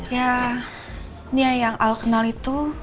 ya ini yang al kenal itu